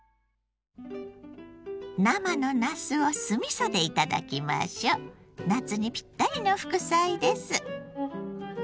生のなすを酢みそで頂きましょう！夏にピッタリの副菜です。